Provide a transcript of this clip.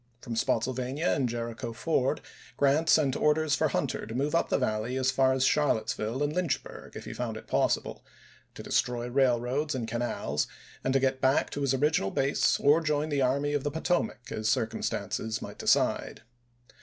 From Spotsylvania and Jericho Ford Grant sent orders for Hunter to move up the Valley as far as Char lottesville and Lynchburg if he found it possible ; to destroy railroads and canals, and either get back to his original base or join the Army of the Po tomac, as circumstances might decide.